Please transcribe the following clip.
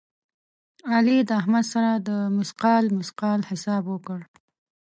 علي د احمد سره د مثقال مثقال حساب وکړ.